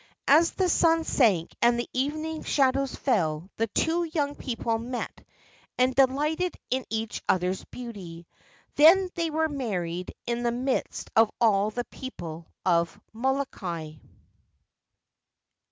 As the sun sank and the evening shadows fell, the two young people met and delighted in each other's beauty. Then they were married in the midst of all the people of Molokai.